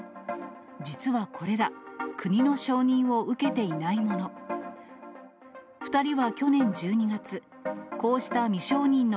実はこれら、国の承認を受けていないもの。